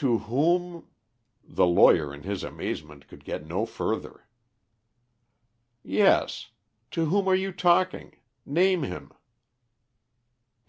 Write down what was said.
"To whom ?" The lawyer in his amazement could get no further. "Yes. To whom are you talking? Name him."